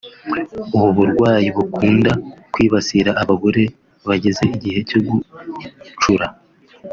ubu burwayi bukunda kwibasira abagore bageze igihe cyo gucura